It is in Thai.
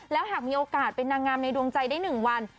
แล้วหากมีโอกาสเป็นนางงามในดวงใจได้๑วัน